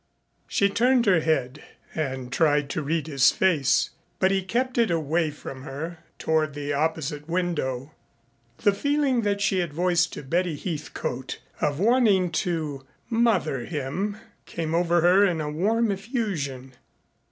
She turned her head and tried to read his face, but he kept it away from her, toward the opposite window. The feeling that she had voiced to Betty Heathcote of wanting to "mother" him came over her in a warm effusion.